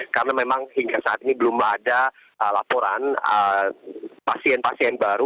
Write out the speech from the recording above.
karena memang hingga saat ini belum ada laporan pasien pasien baru